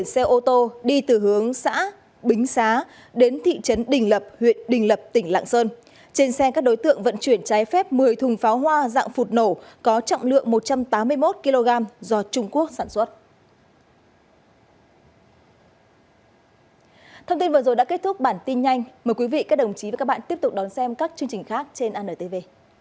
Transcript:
mời quý vị các đồng chí và các bạn tiếp tục đón xem các chương trình khác trên anntv